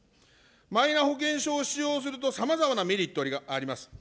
マイナ保険証を使用すると、さまざまなメリットがあります。